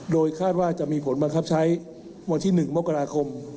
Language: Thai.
โดยคาดว่าจะมีผลบังคับใช้วันที่๑มกราคม